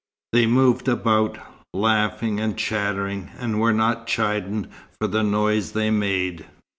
They moved about, laughing and chattering, and were not chidden for the noise they made.